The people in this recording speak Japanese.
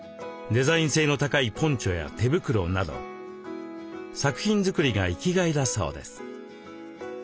デザイン性の高いポンチョや手袋など作品づくりが生きがいだそうです。